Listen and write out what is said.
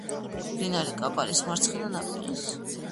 მდინარე კაბალის მარცხენა ნაპირას.